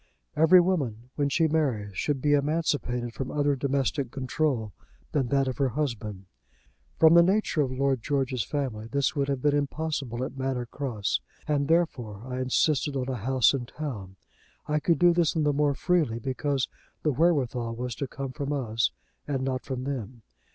Every woman, when she marries, should be emancipated from other domestic control than that of her husband. From the nature of Lord George's family this would have been impossible at Manor Cross, and therefore I insisted on a house in town. I could do this the more freely because the wherewithal was to come from us, and not from them.